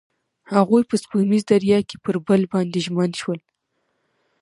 هغوی په سپوږمیز دریا کې پر بل باندې ژمن شول.